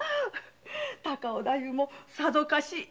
高尾太夫もさぞかし喜ぶ事で。